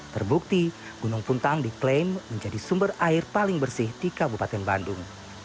terbukti gunung puntang diklaim menjadi sumber air paling bersih di kabupaten bandung